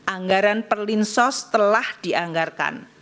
anggaran perlinsos telah dianggarkan